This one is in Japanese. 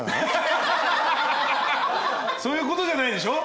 そういうことじゃないんでしょ？